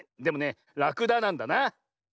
でもねラクダなんだな。